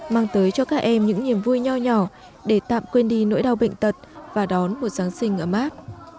mang tới cho các em những niềm vui nhỏ nhỏ để tạm quên đi nỗi đau bệnh tật và đón một giáng sinh ấm áp